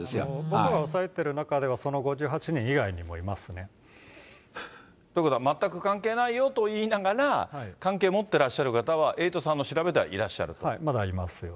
僕が押さえてる中では、その５８人以外にもいますね。ということは、全く関係ないよって言いながら、関係持ってらっしゃる方は、エイトさんの調べではいらっしゃると。